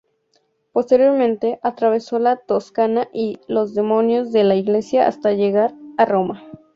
Posteriormente, atravesó la Toscana y los dominios de la Iglesia hasta llegar a Roma.